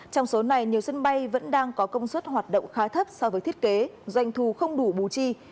trong số này nhiều sân bay vẫn đang có công suất hoạt động khá thấp so với thiết kế doanh thu không đủ bù chi